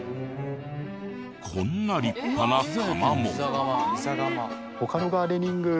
こんな立派な窯も。